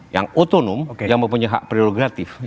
yang otonom yang mempunyai hak prerogatif